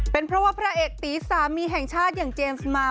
เป็นเพราะว่าพระเอกตีสามีแห่งชาติอย่างเจมส์มา